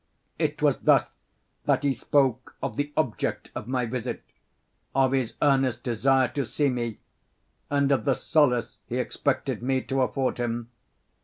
It was thus that he spoke of the object of my visit, of his earnest desire to see me, and of the solace he expected me to afford him.